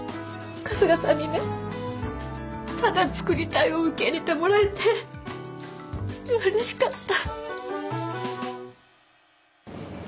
春日さんにねただ「作りたい」を受け入れてもらえてうれしかった。